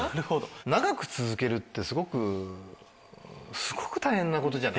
長く続けるってすごくすごく大変なことじゃない。